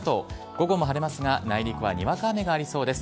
午後も晴れますが、内陸はにわか雨がありそうです。